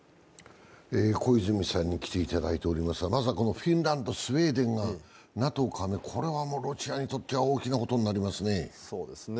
小泉さんに来ていただいていますが、まずフィンランドスウェーデンがＮＡＴＯ加盟、これはロシアにとっては大きなことになりますね。